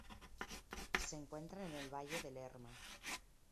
Se encuentra en el Valle de Lerma.